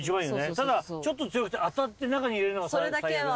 ただちょっと強くて当たって中に入れるのが最悪なんだけど。